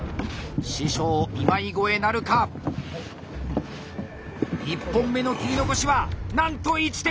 師匠今井超えなるか⁉１本目の切り残しはなんと１．２ｍｍ！